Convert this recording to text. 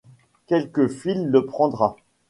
Quelque fils le prendra.